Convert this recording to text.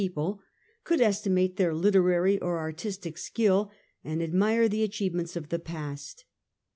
people, could estimate their literary or artistic skill, and admire the achievements of the past.